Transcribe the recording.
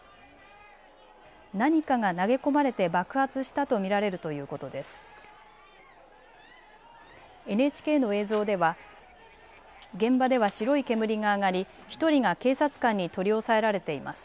何かが投げ込まれて爆発したと見られるということです。